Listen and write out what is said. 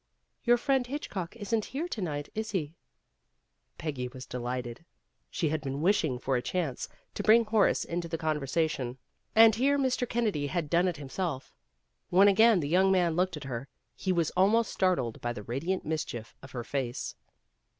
"Your friend Hitchcock isn't here to night, is he?" Peggy was delighted. She had been wishing for a chance to bring Horace into the conver sation, and here Mr. Kennedy had done it him self. When again the young man looked at her, he was almost startled by the radiant mischief of her face.